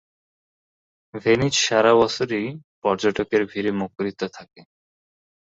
Venice সারা বছরই পর্যটকের ভিড়ে মুখরিত থাকে।